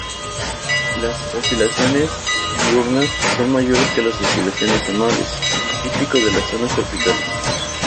Las oscilaciones diurnas, son mayores que las oscilaciones anuales, típico de las zonas tropicales.